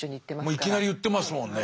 もういきなり言ってますもんね。